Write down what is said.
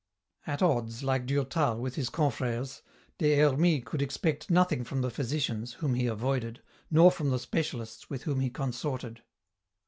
At odds, like Durtal, with his confrères, Des Hermies could expect nothing from the physicians, whom he avoided, nor from the specialists with whom he consorted.